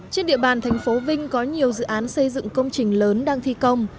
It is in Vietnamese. trên địa bàn thành phố vinh có nhiều dự án xây dựng công trình lớn đang thi công